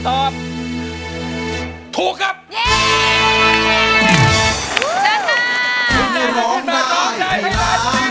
โอ้ยตายแล้วสวัสดีค่ะ